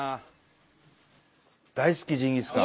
大好きジンギスカン。